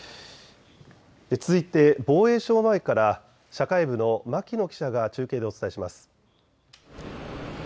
続いて防衛省前から社会部の牧野記者が中継でお伝えします。